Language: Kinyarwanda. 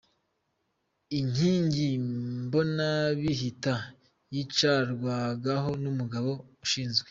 Inkingi Mbonabihita yicarwagaho n’umugabo ushinzwe.